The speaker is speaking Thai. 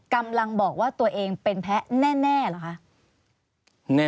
กำลังบอกว่าตัวเองเป็นแพ้แน่เหรอคะ